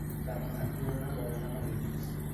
Demà na Fiona vol anar a Marines.